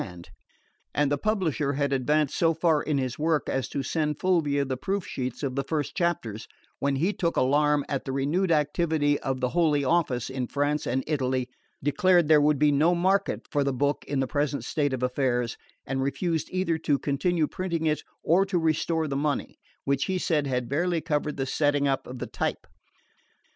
Both were duly delivered and the publisher had advanced so far in his work as to send Fulvia the proof sheets of the first chapters, when he took alarm at the renewed activity of the Holy Office in France and Italy, declared there would be no market for the book in the present state of affairs, and refused either to continue printing it, or to restore the money, which he said had barely covered the setting up of the type.